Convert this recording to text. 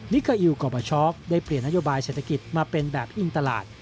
เกอร์อิลกรบช็อกได้เปลี่ยนนโยบายเศรษฐกิจมาเป็นแบบอินตลาด